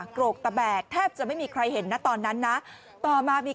โกรกตะแบกแทบจะไม่มีใครเห็นนะตอนนั้นนะต่อมามี